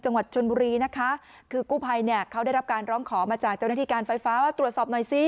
จังหวัดชนบุรีนะคะคือกู้ภัยเนี่ยเขาได้รับการร้องขอมาจากเจ้าหน้าที่การไฟฟ้าว่าตรวจสอบหน่อยสิ